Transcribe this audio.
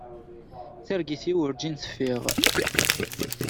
Targit-w urǧin teffiɣ.